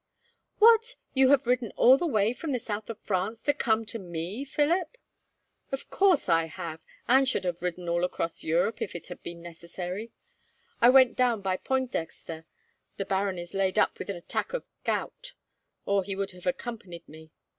"What! Have you ridden all the way from the south of France to come to me, Philip?" "Of course I have, and should have ridden all across Europe, if it had been necessary. I went round by Pointdexter. The baron is laid up with an attack of gout, or he would have accompanied me.